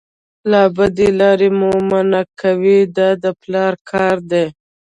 له بدې لارې مو منع کوي دا د پلار کار دی.